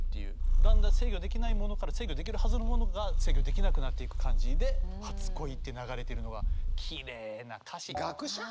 だんだん制御できないものから制御できるはずのものが制御できなくなっていく感じで「初恋」って流れてるのはきれいな歌詞。